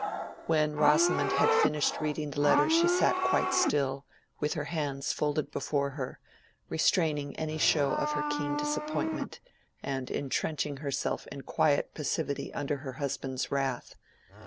When Rosamond had finished reading the letter she sat quite still, with her hands folded before her, restraining any show of her keen disappointment, and intrenching herself in quiet passivity under her husband's wrath.